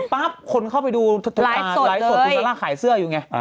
คนเข้าไปดูไลฟ์สดคุณซาร่าขายเสื้ออยู่ไง